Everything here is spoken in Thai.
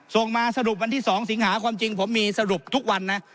ส่งมาสรุปวันที่๒สิงหาความจริงผมมีสรุปทุกวันนะ